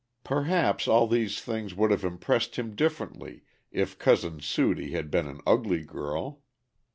Perhaps all these things would have impressed him differently if "Cousin Sudie" had been an ugly girl.